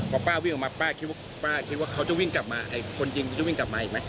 พอป้าวิ่งออกมาป้าคิดว่าเขาจะวิ่งกลับมาคนยิงจะวิ่งกลับมาอีกไหม